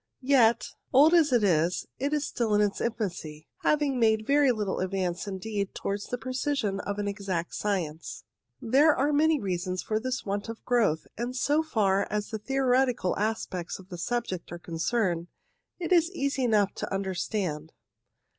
Yet, old as it is, it is still in its infancy, having made very little advance indeed towards the precision of an exact science. There are many reasons for this want of growth, and so far as the theoretical aspects of the subject are concerned it is easy enough to understand.